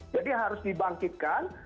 jadi harus dibangkitkan